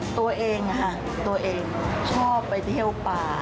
ตัวเองชอบไปเที่ยวป่า